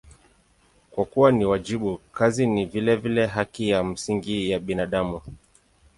Kwa kuwa ni wajibu, kazi ni vilevile haki ya msingi ya binadamu.